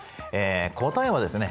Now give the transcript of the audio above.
答えはですね